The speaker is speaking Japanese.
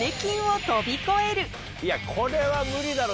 これは無理だろ。